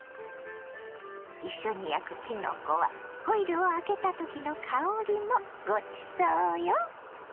一緒に焼くきのこはホイルを開けたときの香りもごちそうよ。